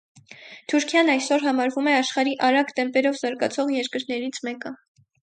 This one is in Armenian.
Թուրքիան այսօր համարվում է աշխարհի արագ տեմպերով զարգացող երկրներից մեկը։